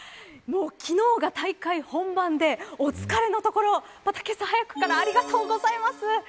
昨日が大会本番でお疲れのところ、またけさ早くからありがとうございます。